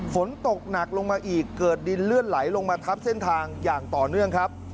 ฝนตกหนักลงมาอีกเกิดดินเลื่อนไหลลงมาทับเส้นทางอย่างต่อเนื่องครับ